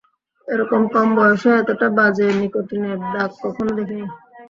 এরকম কম বয়সে এতোটা বাজে নিকোটিনের দাগ কখনো দেখিনি।